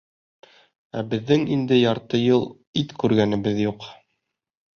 Ә беҙҙең инде ярты йыл ит күргәнебеҙ юҡ!